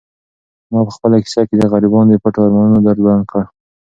ما په خپله کیسه کې د غریبانو د پټو ارمانونو درد بیان کړ.